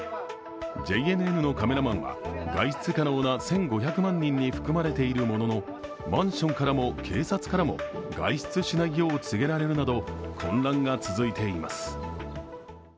ＪＮＮのカメラマンは外出可能な１５００万人に含まれているもののマンションからも警察からも外出しないよう告げられるなど混乱が続いています。